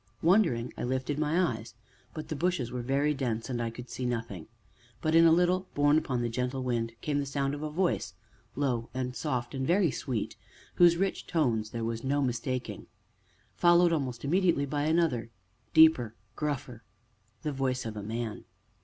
Wondering, I lifted my eyes, but the bushes were very dense, and I could see nothing. But, in a little, borne upon the gentle wind, came the sound of a voice, low and soft and very sweet whose rich tones there was no mistaking followed, almost immediately, by another deeper, gruffer the voice of a man.